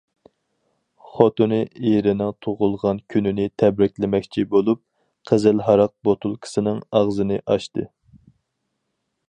خوتۇنى ئېرىنىڭ تۇغۇلغان كۈنىنى تەبرىكلىمەكچى بولۇپ قىزىل ھاراق بوتۇلكىسىنىڭ ئاغزىنى ئاچتى.